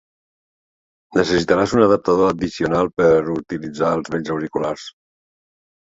Necessitaràs un adaptador addicional per utilitzar els vells auriculars.